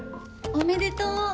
おめでとう！